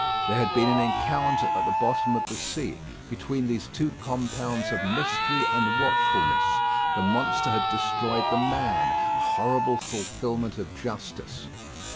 There had been an encounter at the bottom of the sea between these two compounds of mystery and watchfulness; the monster had destroyed the man: a horrible fulfilment of justice.